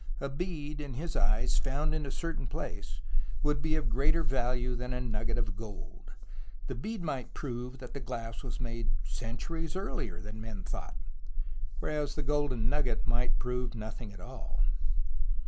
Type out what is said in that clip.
A bead, in his eyes, found in a certain place, would be of greater value than a nugget of gold. The bead might prove that glass was made centuries earlier than men thought, whereas the golden nugget might prove nothing at all.